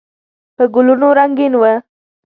په ګلونو رنګین و.